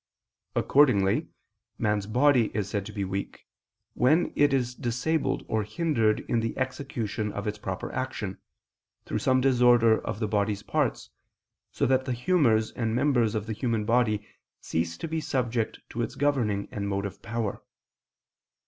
Accordingly, man's body is said to be weak, when it is disabled or hindered in the execution of its proper action, through some disorder of the body's parts, so that the humors and members of the human body cease to be subject to its governing and motive power.